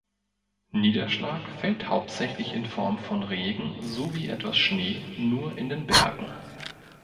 Niederschlag fällt hauptsächlich in Form von Regen sowie etwas Schnee nur in den Bergen.